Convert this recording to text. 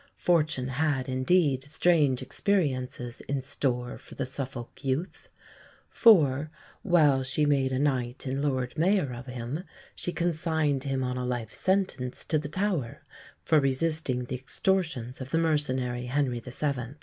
Fortune had indeed strange experiences in store for the Suffolk youth; for, while she made a Knight and Lord Mayor of him, she consigned him on a life sentence to the Tower for resisting the extortions of the mercenary Henry VII.